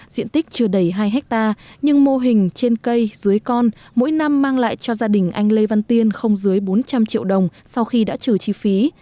diện tích chưa đầy hai hectare nhưng mô hình trên cây dưới con mỗi năm mang lại cho gia đình anh lê văn tiên không dưới bốn trăm linh triệu đồng sau khi đã trừ chi phí